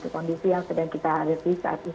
kondisi yang sedang kita hadapi saat ini